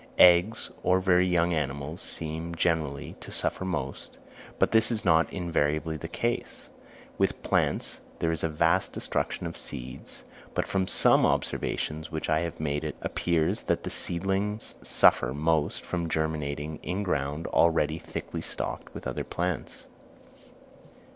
Eggs or very young animals seem generally to suffer most, but this is not invariably the case. With plants there is a vast destruction of seeds, but from some observations which I have made it appears that the seedlings suffer most from germinating in ground already thickly stocked with other plants.